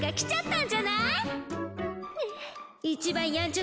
ん？